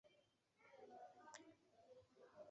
第二天李就被下放到小联盟。